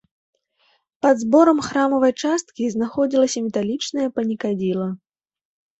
Пад зборам храмавай часткі знаходзілася металічнае панікадзіла.